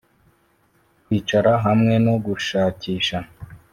kwicara hamwe no gushakisha